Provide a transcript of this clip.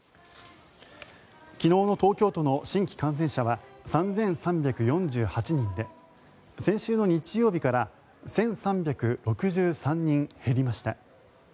昨日の東京都の新規感染者は３３４８人で先週の日曜日から１３６３人減りました。